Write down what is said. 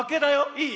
いい？